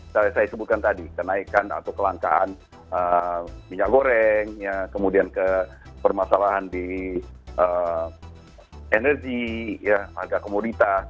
saya sebutkan tadi kenaikan atau kelangkaan minyak goreng kemudian ke permasalahan di energi harga komoditas